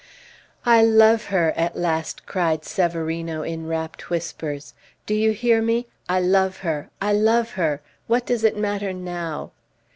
"I love her!" at last cried Severino, in rapt whispers. "Do you hear me? I love her! I love her! What does it matter now?"